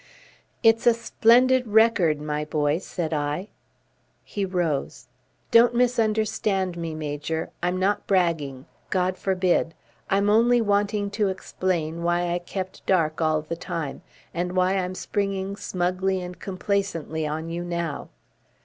"It's a splendid record, my boy," said I. He rose. "Don't misunderstand me, Major. I'm not bragging. God forbid. I'm only wanting to explain why I kept dark all the time, and why I'm springing smugly and complacently on you now."